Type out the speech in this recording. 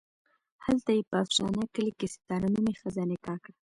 هلته یې په افشنه کلي کې ستاره نومې ښځه نکاح کړه.